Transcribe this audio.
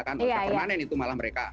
kantong permanen itu malah mereka